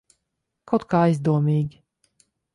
Kaut kā aizdomīgi.